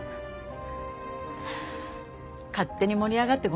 勝手に盛り上がってごめんね。